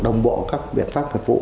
đồng bộ các biện pháp phục vụ